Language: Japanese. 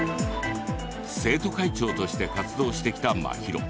生徒会長として活動してきたまひろ。